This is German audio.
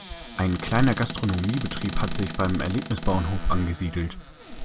Ein kleiner Gastronomiebetrieb hat sich beim Erlebnisbauernhof angesiedelt.